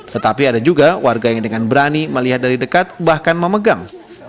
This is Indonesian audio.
tetapi ada juga warga yang dengan berani melihat dari dekat bahkan memegang